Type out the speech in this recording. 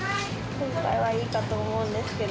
今回はいいかと思うんですけど。